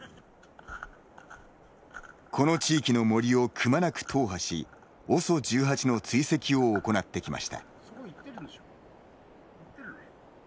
この地域の森をくまなく踏破しＯＳＯ１８の追跡を行ってきました。